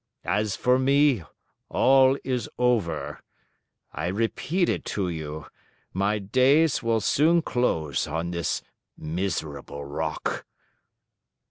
As for me, all is over: I repeat it to you, my days will soon close on this miserable rock."